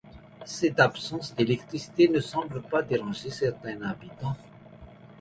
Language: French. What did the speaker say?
Cette absence d'électricité ne semble pas déranger certains habitants.